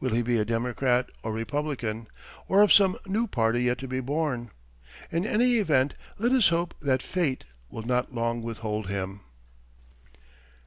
Will he be a Democrat or Republican or of some new party yet to be born? In any event, let us hope that Fate will not long withhold him!